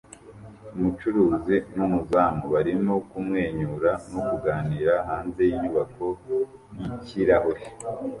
Umucuruzi numuzamu barimo kumwenyura no kuganira hanze yinyubako yikirahure